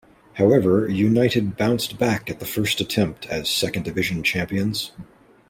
However, United bounced back at the first attempt as Second Division champions.